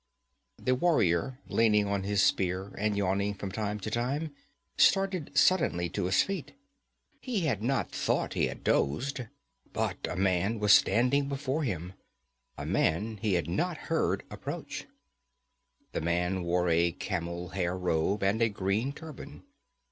This warrior, leaning on his spear, and yawning from time to time, started suddenly to his feet. He had not thought he had dozed, but a man was standing before him, a man he had not heard approach. The man wore a camel hair robe and a green turban.